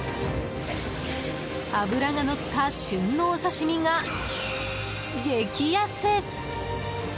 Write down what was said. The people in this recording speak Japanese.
脂がのった旬のお刺し身が激安！